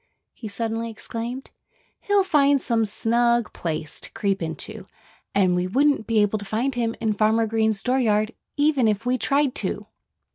he suddenly exclaimed. "He'll find some snug place to creep into. And we wouldn't be able to find him in Farmer Green's dooryard even if we tried to."